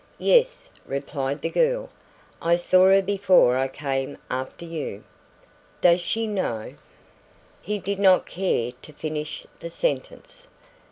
"Yes," replied the girl. "I saw her before I came after you." "Does she know " He did not care to finish the sentence.